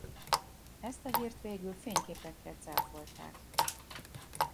Ezt a hírt végül fényképekkel cáfolták.